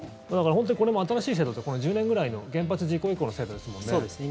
本当にこれも新しい制度ってこの１０年くらいの原発事故以降の制度ですもんね。